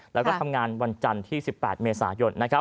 แล้วก็ทำงานวันจันทร์ที่๑๘เมษายน